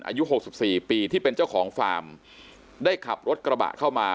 อายุหกสิบสี่ปีที่เป็นเจ้าของฟาร์มได้ขับรถกระบะเข้ามา